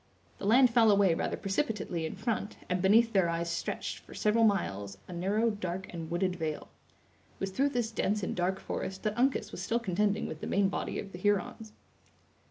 The land fell away rather precipitately in front, and beneath their eyes stretched, for several miles, a narrow, dark, and wooded vale. It was through this dense and dark forest that Uncas was still contending with the main body of the Hurons.